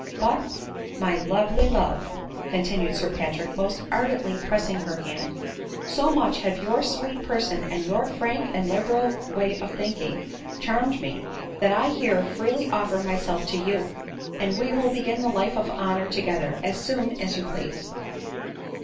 " But, my lovely love !" continued Sir Patrick, most ardently pressing her hand, " so much have your sweet person, and your frank and liberal way of thinking, charmed me, that I here freely offer myself to you, and we will begin the life of honor together as soon as you please."